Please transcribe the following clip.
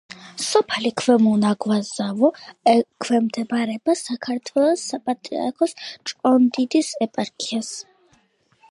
სოფელი ქვემო ნაგვაზავო ექვემდებარება საქართველოს საპატრიარქოს ჭყონდიდის ეპარქიას.